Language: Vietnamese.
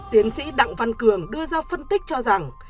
tiến sĩ đặng văn cường đưa ra phân tích cho rằng